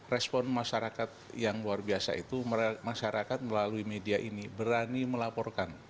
respon masyarakat yang luar biasa itu masyarakat melalui media ini berani melaporkan